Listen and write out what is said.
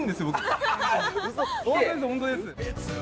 本当です本当です。